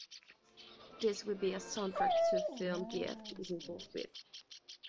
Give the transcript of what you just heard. This will be a soundtrack to a film Gift is involved with.